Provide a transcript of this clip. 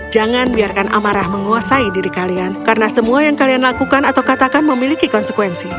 jangan biarkan amarah menguasai diri kalian karena semua yang kalian lakukan atau katakan memiliki konsekuensi